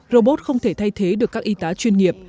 robot không thể thay thế được các y tá chuyên nghiệp